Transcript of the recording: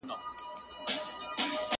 وړانګي د سبا به د سوالونو ګرېوان څیري کي-